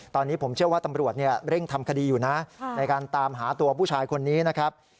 ตอนนี้ผมเชื่อว่าตำรวจเร่งทำคดีอยู่นะในการตามหาตัวผู้ชายคนนี้นะครับ